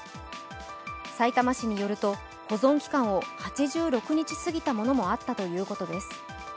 さいたま市によると、保存期間を８６日過ぎたものもあったということです。